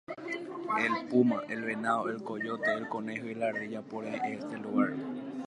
El puma, el venado, el coyote, el conejo y la ardilla pueblan este lugar.